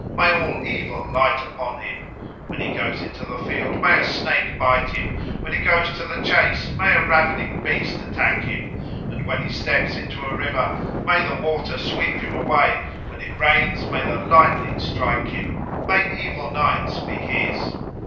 May all evil light upon him! When he goes into the field, may a snake sting him! When he goes to the chase, may a ravening beast attack him! And when he steps into a river, may the water sweep him away! When it rains, may the lightning strike him! May evil nights be his!"